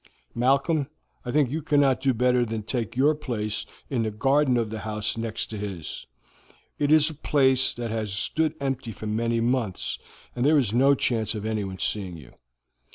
"Malcolm, I think you cannot do better than take your place in the garden of the house next to his; it is a place that has stood empty for many months, and there is no chance of anyone seeing you.